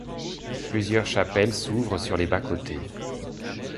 Plusieurs chapelles s’ouvrent sur les bas-côtés.